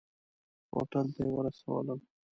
هوټل ته یې ورسولم.